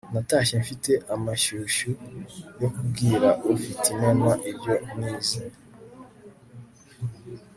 natashye mfite amashyushyu yo kubwira ufitinema ibyo nize